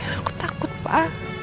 aku takut pak